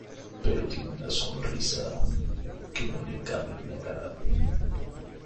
pero tiene una sonrisa que no le cabe en la cara.